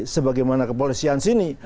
sebagaimana kepolisian sini